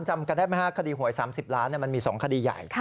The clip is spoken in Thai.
จำกันได้ไหมฮะคดีหวย๓๐ล้านมันมี๒คดีใหญ่